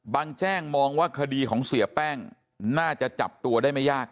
แจ้งมองว่าคดีของเสียแป้งน่าจะจับตัวได้ไม่ยาก